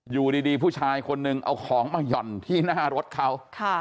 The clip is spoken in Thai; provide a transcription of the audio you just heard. อยู่ดีผู้ชายคนนึงเอาของมาหย่อนที่หน้ารถเขา